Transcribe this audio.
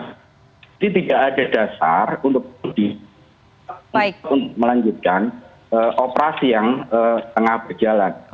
jadi tidak ada dasar untuk melanjutkan operasi yang tengah berjalan